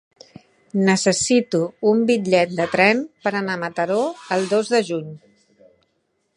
Necessito un bitllet de tren per anar a Mataró el dos de juny.